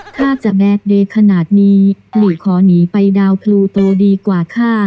ถ้าจะแบดเดย์ขนาดนี้หลีขอหนีไปดาวพลูโตดีกว่าค่ะ